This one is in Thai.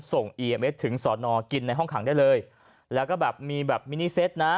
เอียเม็ดถึงสอนอกินในห้องขังได้เลยแล้วก็แบบมีแบบมินิเซตนะ